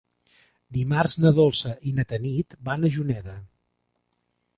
Dimarts na Dolça i na Tanit van a Juneda.